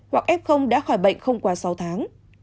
hoặc f đã khỏi bệnh không qua sáu tháng